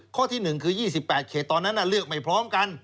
ข้อที่๑คือ๒๘เขตตอนนั้นเลือกไม่พร้อมกัน